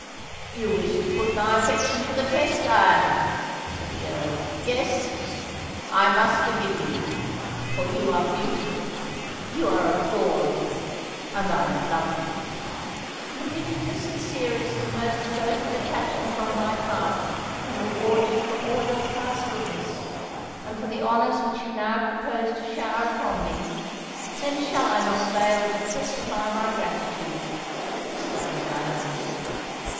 "You wished to put my affection to the test, Diana," said the Earl. "Yes—I must forgive you—for you are beautiful—you are adorable—and I love you!" "And if the sincerest and most devoted attachment on my part can reward you for all your past goodness, and for the honours which you now propose to shower upon me, then shall I not fail to testify my gratitude," exclaimed Diana.